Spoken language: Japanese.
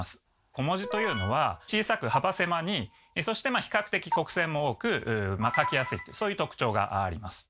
小文字というのは小さく幅狭にそして比較的曲線も多く書きやすいそういう特徴があります。